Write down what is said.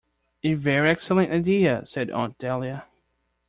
"A very excellent idea," said Aunt Dahlia.